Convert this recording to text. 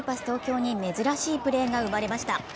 東京に珍しいプレーが生まれました。